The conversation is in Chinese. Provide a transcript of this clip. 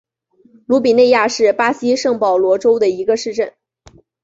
鲁比内亚是巴西圣保罗州的一个市镇。